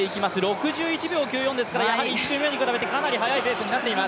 ６１秒９４ですからやはり１年前に比べてかなり速いペースになっています。